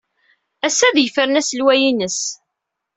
Ass-a ad yefren aselway-ines.